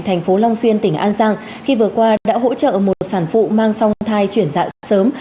thành phố long xuyên tỉnh an giang khi vừa qua đã hỗ trợ một sản phụ mang song thai chuyển dạ sớm